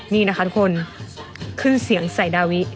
เมื่อกี้